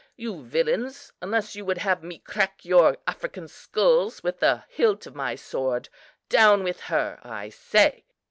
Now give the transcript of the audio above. You villains, unless you would have me crack your African skulls with the hilt of my sword, down with her, I say!"